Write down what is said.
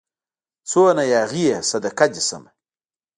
څونه ياغي يې صدقه دي سمه